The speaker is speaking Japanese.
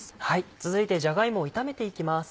続いてじゃが芋を炒めていきます。